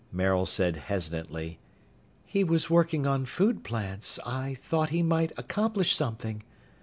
Maril said hesitantly, "He was working on food plants. I thought he might accomplish something...."